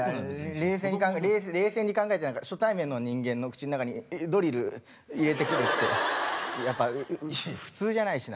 冷静に考えて冷静に考えて何か初対面の人間の口の中にドリル入れてくるってやっぱ普通じゃないしな。